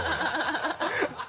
ハハハ